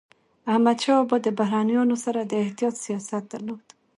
احمدشاه بابا د بهرنيانو سره د احتیاط سیاست درلود.